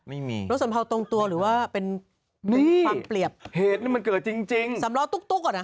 ไม่มีโล้สำเภาตรงตัวหรือว่าเป็นความเปรียบนี่เหตุนี้มันเกิดจริงสำล้อตุ๊กอ่ะนะ